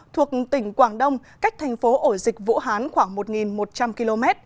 thuộc tỉnh quảng đông cách thành phố ổ dịch vũ hán khoảng một một trăm linh km